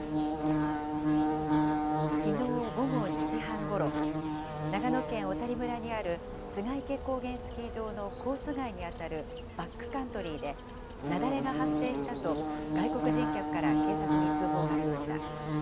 きのう午後２時半ごろ、長野県小谷村にある栂池高原スキー場のコース外に当たるバックカントリーで、雪崩が発生したと、外国人客から警察に通報がありました。